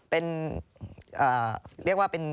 เป็นเรียกว่าเป็น